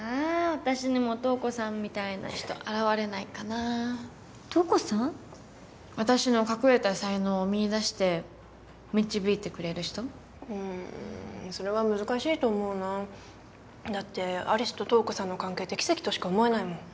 私にも瞳子さんみたいな人現れないかなあ瞳子さん？私の隠れた才能を見いだして導いてくれる人うんそれは難しいと思うなだって有栖と瞳子さんの関係って奇跡としか思えないもん